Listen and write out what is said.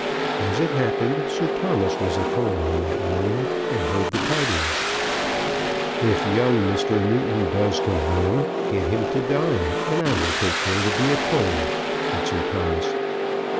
As it happened, Sir Thomas was at home on that morning, and heard the tidings. "If young Mr. Newton does come, get him to dine, and I will take care to be at home," said Sir Thomas.